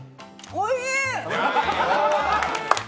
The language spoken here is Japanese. おいしい！